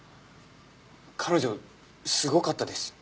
彼女すごかったです